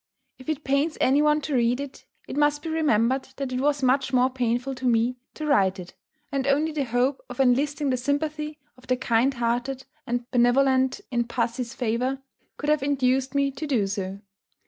If it pains any one to read it, it must be remembered that it was much more painful to me to write it; and only the hope of enlisting the sympathy of the kind hearted and benevolent in pussy's favour could have induced me to do so.